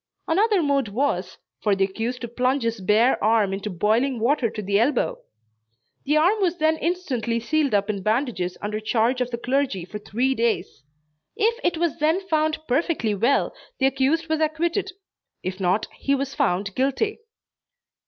Another mode was, for the accused to plunge his bare arm into boiling water to the elbow. The arm was then instantly sealed up in bandages under charge of the clergy for three days. If it was then found perfectly well, the accused was acquitted; if not, he was found guilty.